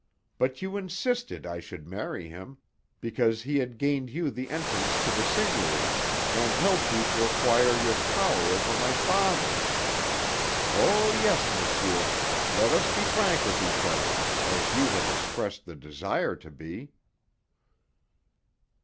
But you insisted I should marry him, because he had gained you the entrance to the seigniory and helped you to acquire your power over my father. Oh, yes, monsieur, let us be frank with each other, as you have expressed the desire to be."